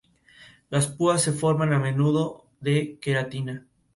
Las púas se forman a menudo de queratina.